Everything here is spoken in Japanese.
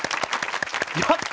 やった！